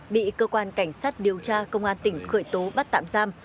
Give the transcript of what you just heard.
bị cơ quan cảnh sát điều tra công an tỉnh khởi tố bắt tạm giam